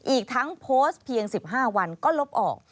อีกทั้งโพสต์เพียง๑๕วันก็ลบออก